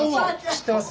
知ってます？